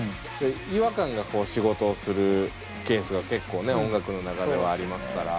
違和感がこう仕事をするケースが結構ね音楽の中ではありますから。